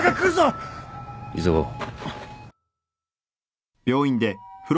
急ごう。